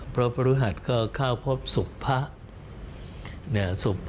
พระพฤหัสก็เข้าพบศพพระ